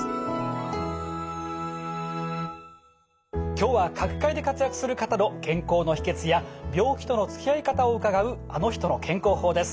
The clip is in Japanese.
今日は各界で活躍する方の健康の秘けつや病気とのつきあい方を伺う「あの人の健康法」です。